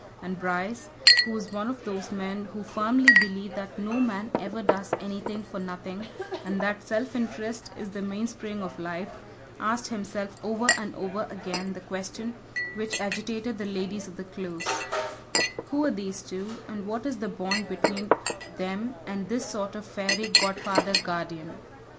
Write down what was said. And Bryce, who was one of those men who firmly believe that no man ever does anything for nothing and that self interest is the mainspring of Life, asked himself over and over again the question which agitated the ladies of the Close: Who are these two, and what is the bond between them and this sort of fairy godfather guardian?